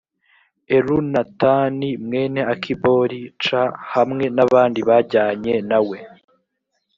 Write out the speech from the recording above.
elunatani mwene akibori c hamwe n abandi bajyanye na we